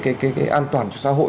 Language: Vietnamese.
cái an toàn cho xã hội